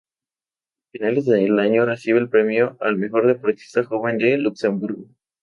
A finales del año, recibe el premio al mejor deportista joven de Luxemburgo.